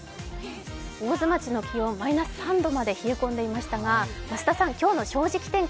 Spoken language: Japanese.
大津町の気温、氷点下３度まで冷え込んでましたが増田さん、今日の「正直天気」